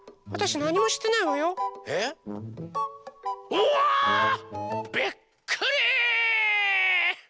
おわ！びっくり！